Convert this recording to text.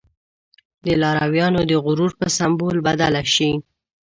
د لارويانو د غرور په سمبول بدله شي.